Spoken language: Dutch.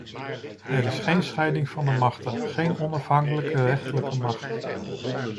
Er is geen scheiding van de machten, geen onafhankelijke rechterlijke macht.